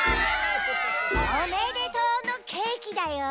おめでとうのケーキだよ。